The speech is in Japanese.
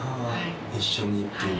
一緒にっていう。